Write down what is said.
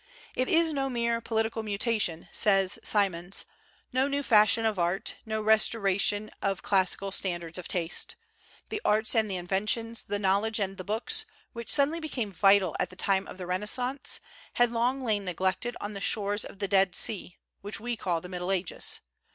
"It is no mere political mutation," says Symonds, "no new fashion of art, no restoration of classical standards of taste. The arts and the inventions, the knowledge and the books, which suddenly became vital at the time of the Renaissance, had long lain neglected on the shores of the Dead Sea, which we call the Middle Ages.